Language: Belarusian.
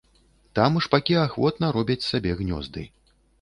Там шпакі ахвотна робяць сабе гнёзды.